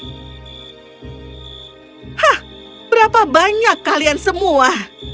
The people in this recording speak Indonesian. hah berapa banyak kalian semua